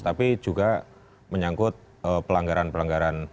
tapi juga menyangkut pelanggaran pelanggaran